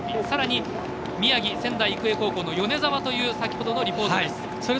さらに、宮城仙台育英高校の米澤という先ほどのリポートです。